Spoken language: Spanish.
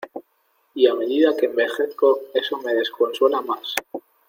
y a medida que envejezco, eso me desconsuela más.